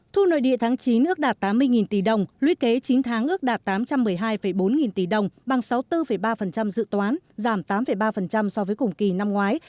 thu nội địa tháng chín ước đạt tám mươi tỷ đồng luy kế chín tháng ước đạt tám trăm một mươi hai bốn nghìn tỷ đồng bằng sáu mươi bốn ba dự toán giảm tám ba so với cùng kỳ năm ngoái